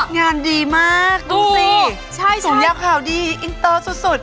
งานดีมากดูสิยาวข่าวดีอินเตอร์สุด